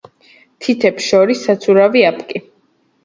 თითებს შორის საცურავი აპკი.